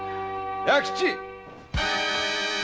弥吉！